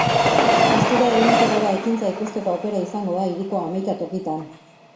Guztira, ehunetik gora ekintza ikusteko aukera izango da hiriko hamaika tokitan.